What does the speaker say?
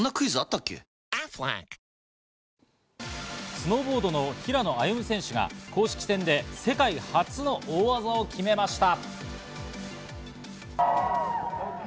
スノーボードの平野歩夢選手が公式戦で世界初の大技を決めました。